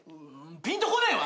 ピンとこねぇわ！